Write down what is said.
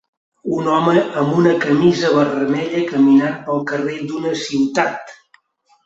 Un home amb una camisa vermella caminant pel carrer d'una ciutat.